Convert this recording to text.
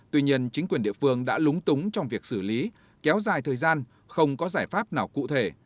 tuy nhiên chính quyền địa phương đã lúng túng trong việc xử lý kéo dài thời gian không có giải pháp nào cụ thể